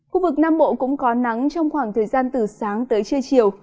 khu vực nam bộ cũng có nắng trong khoảng thời gian từ sáng tới trưa chiều